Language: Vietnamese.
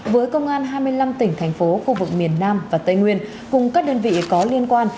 với công an hai mươi năm tỉnh thành phố khu vực miền nam và tây nguyên cùng các đơn vị có liên quan